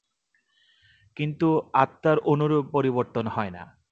কিন্তু আত্মার অনুরূপ পরিবর্তন হয় না।